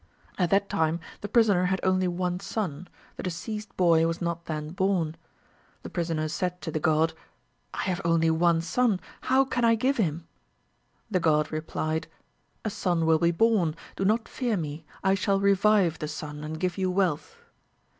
At that time, the prisoner had only one son the deceased boy was not then born. The prisoner said to the god: 'I have only one son. How can I give him?' The god replied: 'A son will be born. Do not fear me. I shall revive the son, and give you wealth.'